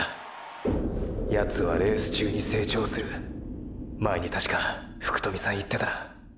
“ヤツはレース中に成長する”前にたしか福富さん言ってたな。